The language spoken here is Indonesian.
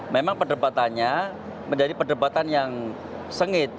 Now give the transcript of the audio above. memang perdebatannya menjadi perdebatan yang sengit